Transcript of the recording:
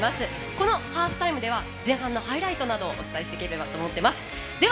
このハーフタイムでは前半のハイライトなどをお伝えしていければと思います。